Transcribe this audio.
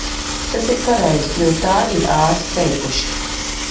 Tas ir pareizi, jo tā ir ārsti ieteikuši.